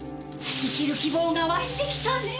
生きる希望がわいてきたねぇ！